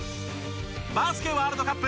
バスケワールドカップ